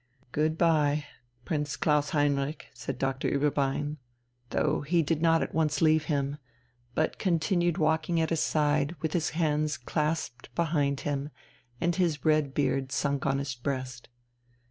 "Good bye, Prince Klaus Heinrich," said Doctor Ueberbein, though he did not at once leave him, but continued walking at his side with his hands clasped behind him and his red beard sunk on his breast.